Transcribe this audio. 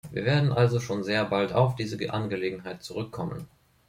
Wir werden also schon sehr bald auf diese Angelegenheit zurückkommen.